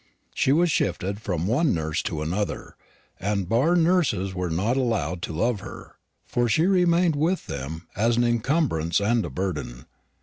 She was shifted from one nurse to another; and bar nurses were not allowed to love her, for she remained with them as an encumbrance and a burden.